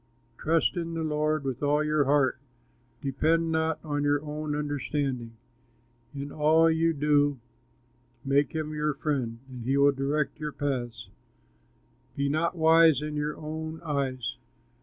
Trust in the Lord with all your heart, Depend not on your own understanding; In all you do make him your friend, And he will direct your paths. Be not wise in your own eyes.